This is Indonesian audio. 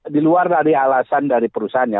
diluar dari alasan dari perusahaannya